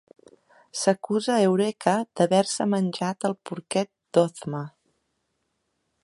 S'acusa Eureka d'haver-se menjat el porquet d'Ozma.